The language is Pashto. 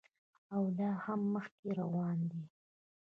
او لا هم مخکې روان دی.